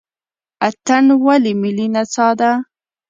اتن ولې ملي نڅا ده؟